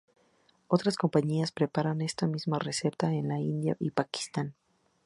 Otras compañías preparan esta misma receta en la India y Pakistán.